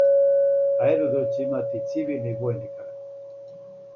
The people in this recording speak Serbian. Аеродром ће имати и цивилни и војни карактер.